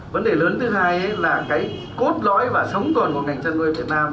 vấn đề lớn thứ hai là cái cốt lõi và sống còn của ngành chăn nuôi việt nam